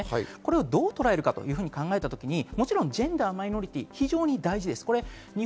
これをどうとらえるか考えたときにジェンダーやマイノリティーも非常に大事です。